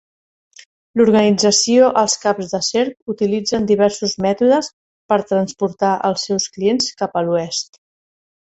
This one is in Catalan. L'Organització els Caps de Serp utilitzen diversos mètodes per transportar els seus clients cap a l'oest.